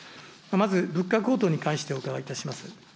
まず、物価高騰に関してお伺いいたします。